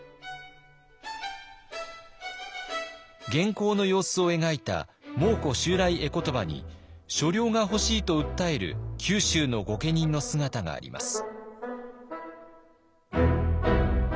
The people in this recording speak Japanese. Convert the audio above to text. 元寇の様子を描いた「蒙古襲来絵詞」に所領が欲しいと訴える九州の御家人の姿があります。